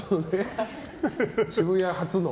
渋谷発の。